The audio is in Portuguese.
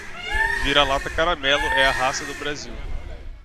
Vira-lata caramelo é a raça do Brasil